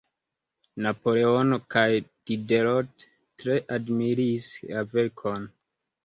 Napoleono kaj Diderot tre admiris la verkon.